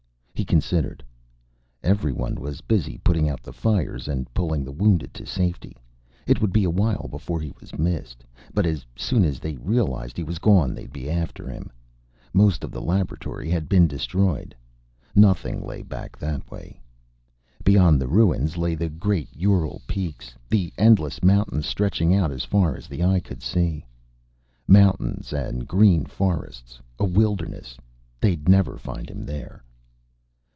He considered. Everyone was busy putting out the fires and pulling the wounded to safety. It would be awhile before he was missed. But as soon as they realized he was gone they'd be after him. Most of the laboratory had been destroyed. Nothing lay back that way. Beyond the ruins lay the great Ural peaks, the endless mountains, stretching out as far as the eye could see. Mountains and green forests. A wilderness. They'd never find him there.